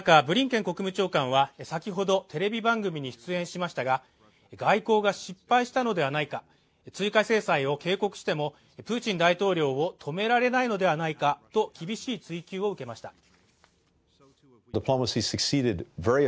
ブリンケン国務長官は先ほどテレビ番組に出演しましたが外交が失敗したのではないか追加制裁を警告してもプーチン大統領を止められないのではないかと厳しい追及を受けました